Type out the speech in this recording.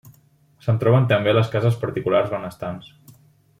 Se'n troben també a les cases particulars benestants.